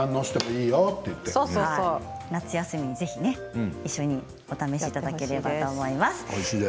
夏休みに一緒にお試しいただければと思います。